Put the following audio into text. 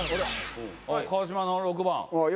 川島の６番。